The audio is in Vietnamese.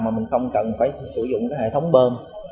mà mình không cần phải sử dụng cái hệ thống bơm